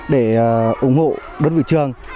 để ủng hộ đơn vị trường